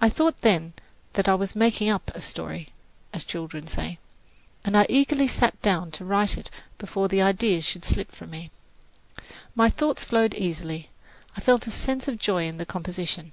I thought then that I was "making up a story," as children say, and I eagerly sat down to write it before the ideas should slip from me. My thoughts flowed easily; I felt a sense of joy in the composition.